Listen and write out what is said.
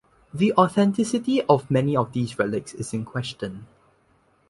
The authenticity of many of these relics is in question.